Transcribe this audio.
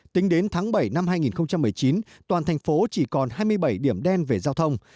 tính đến tháng bảy năm hai nghìn một mươi chín toàn thành phố chỉ còn hai mươi bảy điểm đen về giao thông